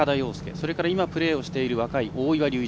それから今プレーをしている大岩龍一。